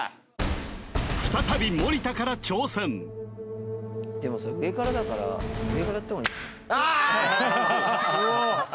再び森田から挑戦でもさ上からだから上からやった方がいいんじゃないああ！